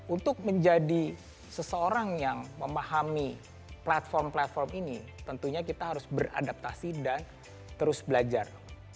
untuk menjadi seseorang yang memahami platform platform ini tentunya kita harus beradaptasi dan terus belajar